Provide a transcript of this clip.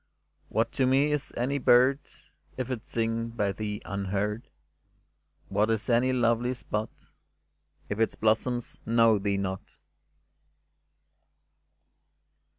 What to me is any bird, If it sing by thee unheard? What is any lovely spot, If its blossoms know thee not?